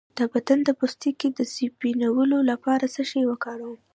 د بدن د پوستکي د سپینولو لپاره څه شی وکاروم؟